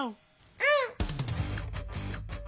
うん！